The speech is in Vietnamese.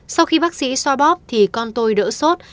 sau khi bác sĩ xoay bóp thì con tôi đỡ sốt